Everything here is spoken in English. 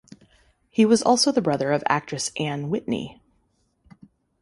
He was also the brother of actress Ann Whitney.